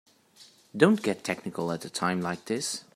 Don't get technical at a time like this.